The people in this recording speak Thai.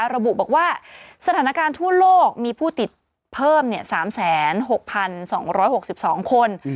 ระบุบอกว่าสถานการณ์ทั่วโลกมีผู้ติดเพิ่ม๓๖๒๖๒คน